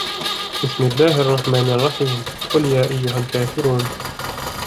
بِسْمِ اللَّهِ الرَّحْمَنِ الرَّحِيمِ قُلْ يَا أَيُّهَا الْكَافِرُونَ